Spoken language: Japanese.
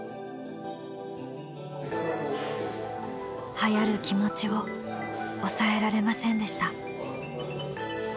はやる気持ちを抑えられませんでした。